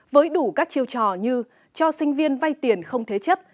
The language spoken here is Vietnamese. với đủ các chiêu trò như cho sinh viên vay tiền không thế chấp